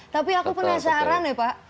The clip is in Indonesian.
tapi aku penasaran ya pak